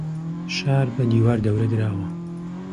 شار بە دیوار دەورە دراوە.